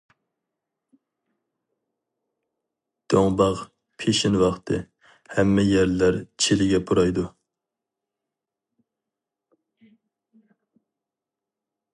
دۆڭباغ، پېشىن ۋاقتى، ھەممە يەرلەر چىلگە پۇرايدۇ.